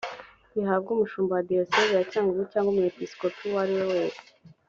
bihabwe umshumba wa diyosezi ya cyangugu cg umwepisikopi uwo ariwe wese